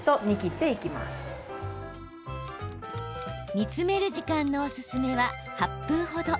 煮詰める時間のおすすめは８分程。